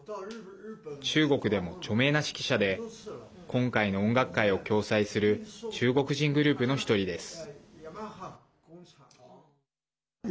中国でも著名な指揮者で今回の音楽会を共催する中国人グループの１人です。